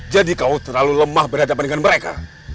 kau terlalu lemah berhadapan dengan mereka